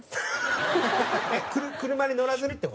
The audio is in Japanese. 車に乗らずにって事？